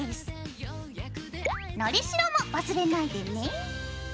のりしろも忘れないでね。